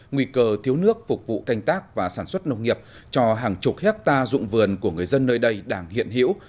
nguy cơ thiếu nước phục vụ canh tác và sản xuất nông nghiệp cho hàng chục hectare dụng vườn của người dân nơi đây đang hiện hiểu